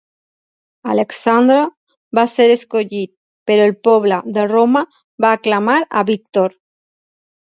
Alexandre va ser escollit, però el poble de Roma va aclamar a Víctor.